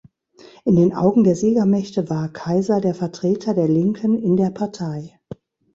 In den Augen der Siegermächte war Kaiser der Vertreter der Linken in der Partei.